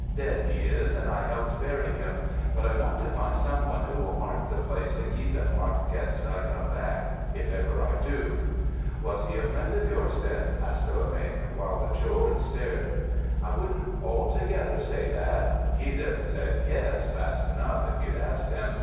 Dead he is, and I helped bury him. But I want to find someone who will mark the place and keep it marked 'gainst I come back—if ever I do." "Was he a friend of yours, then?" asked Philomène, while the children stared. "I wouldn't altogether say that. He'd have said 'yes' fast enough, if you'd asked him.